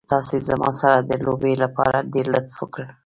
تاسې زما سره د لوبې لپاره ډېر لطف وکړ.